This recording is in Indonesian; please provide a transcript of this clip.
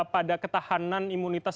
pada ketahanan imunitas